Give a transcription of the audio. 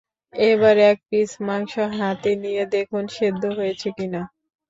এবার এক পিস মংস হাতে নিয়ে দেখুন সেদ্ধ হয়েছে কি না।